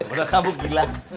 udah kabuk gila